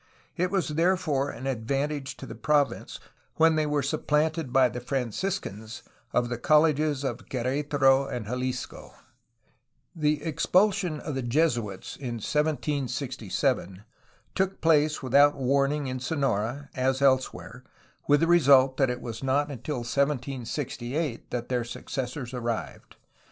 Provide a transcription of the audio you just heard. It was therefore an advantage to the province when they were supplanted by the Franciscans of the colleges of Quer^taro and Jalisco. The expulsion of the Jesuits in 1767 took place without warning in Sonora as elsewhere, with the result that it was not until 1768 that their successors arrived.